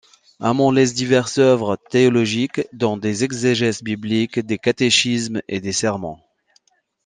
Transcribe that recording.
Hammond laisse diverses œuvres théologiques, dont des exégèses bibliques, des catéchismes, et des sermons.